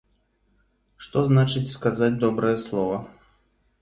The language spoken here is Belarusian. Што значыць сказаць добрае слова!